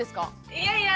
いやいや。